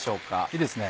いいですね。